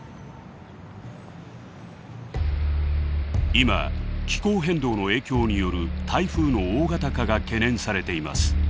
今気候変動の影響による台風の大型化が懸念されています。